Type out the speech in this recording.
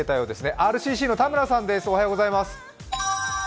ＲＣＣの田村さんです。